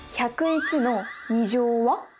１０１の２乗は？